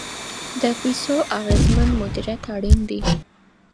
د پیسو اغیزمن مدیریت اړین دی.